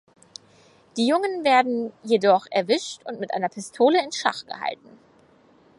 Die Jungen werden jedoch erwischt und mit einer Pistole in Schach gehalten.